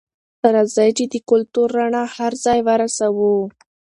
راځئ چې د کلتور رڼا هر ځای ته ورسوو.